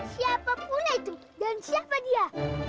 siapa pula itu dan siapa dia